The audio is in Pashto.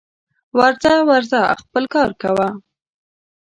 ورځه ورځه خپل کار کوه